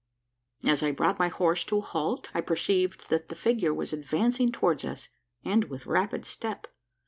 As I brought my horse to a halt, I perceived that the figure was advancing towards us, and with rapid step.